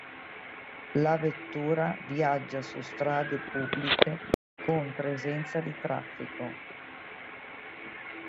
La vettura viaggia su strade pubbliche, con presenza di traffico.